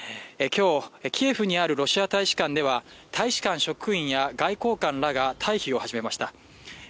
今日、キエフにあるロシア大使館では、大使館職員や外交官らが退避を始めました。